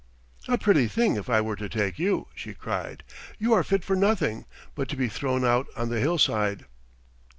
"A pretty thing if I were to take you," she cried. "You are fit for nothing but to be thrown out on the hillside."